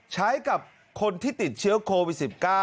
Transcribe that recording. ใช้กับคนที่ติดเชื้อโควิด๑๙